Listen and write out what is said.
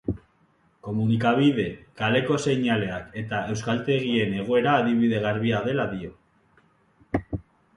Komunikabide, kaleko seinaleak eta euskaltegien egoera adibide garbia dela dio.